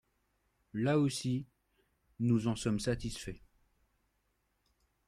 Là aussi, nous en sommes satisfaits.